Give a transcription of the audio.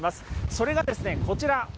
それがこちら。